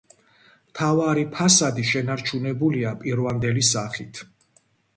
მთავარი ფასადი შენარჩუნებულია პირვანდელი სახით.